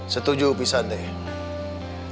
setuju pisah tete